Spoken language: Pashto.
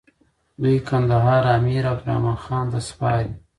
دوی کندهار امير عبدالرحمن خان ته سپاري.